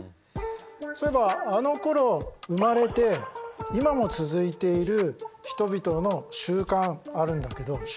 そういえばあのころ生まれて今も続いている人々の習慣あるんだけど習君何だか分かるかな？